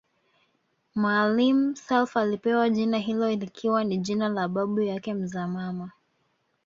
Maalim Self alipewa jina hilo likiwa ni jina la babu yake mzaa mama